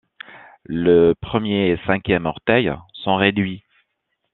Le premier et cinquième orteil sont réduits.